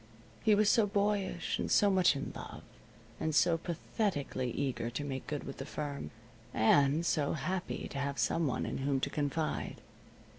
He was so boyish, and so much in love, and so pathetically eager to make good with the firm, and so happy to have some one in whom to confide.